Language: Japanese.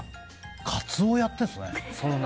カツオやってるんですね。